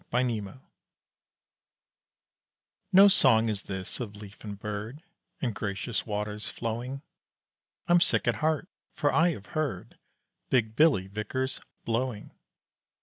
Billy Vickers No song is this of leaf and bird, And gracious waters flowing; I'm sick at heart, for I have heard Big Billy Vickers "blowing".